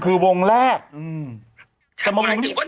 หนุ่มกัญชัยโทรมา